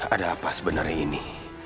ada apa sebenarnya ini